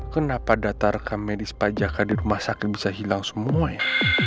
kenapa data rekam medis pak jaka di rumah sakit bisa hilang semua ya